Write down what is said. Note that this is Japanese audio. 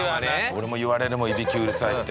俺も言われるもんいびきうるさいって。